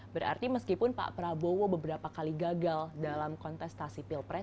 berarti meskipun pak prabowo beberapa kali gagal dalam kontestasi pilpres